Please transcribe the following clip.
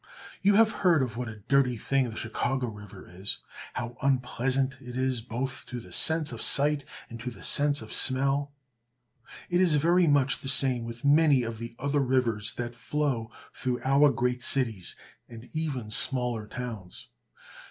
You have heard of what a dirty thing the Chicago river is, how unpleasant it is both to the sense of sight and to the sense of smell. It is very much the same with many of the other rivers that flow through our great cities, and even smaller towns.